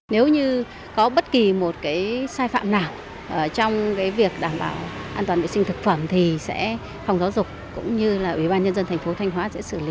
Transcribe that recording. nếu như có bất kỳ một sai phạm nào trong việc đảm bảo an toàn vệ sinh thực phẩm thì sẽ phòng giáo dục cũng như ủy ban nhân dân thành phố thanh hóa